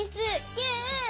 キュー！